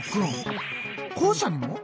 校舎にも？